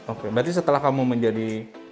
oke berarti setelah kamu menjadi